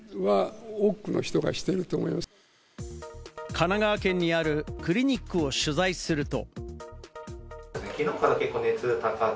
神奈川県にあるクリニックを取材すると。